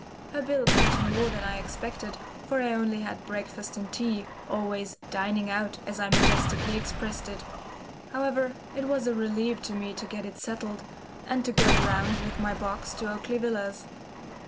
Her bill came to more than I expected, for I only had breakfast and tea, always "dining out" as I majestically expressed it. However, it was a relief to me to get it settled, and to go round with my box to Oakley Villas.